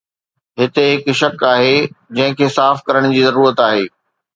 هتي هڪ شڪ آهي جنهن کي صاف ڪرڻ جي ضرورت آهي.